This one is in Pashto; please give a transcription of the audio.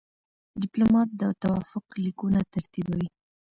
ډيپلومات د توافق لیکونه ترتیبوي.